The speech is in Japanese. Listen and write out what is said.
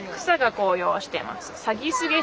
草が紅葉してます。